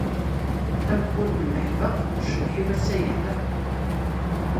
A tameqqunt n leḥbaq, ccḍeḥ-im ass-a yeḥdeq.